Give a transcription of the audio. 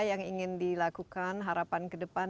yang ingin dilakukan harapan ke depan